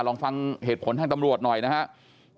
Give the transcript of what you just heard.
ลองฟังเหตุผลทางตำรวจหน่อยนะครับ